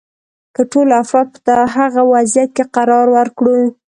که ټول افراد په هغه وضعیت کې قرار ورکړو.